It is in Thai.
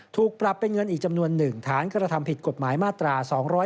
ถูกปรับเป็นเงินอีกจำนวน๑ฐานกระทำผิดกฎหมายมาตรา๒๗